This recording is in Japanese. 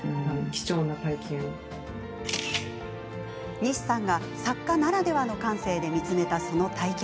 西さんが作家ならではの感性で見つめた、その体験。